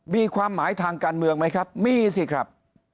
มีความหมายทางการเมืองไหมครับมีสิครับ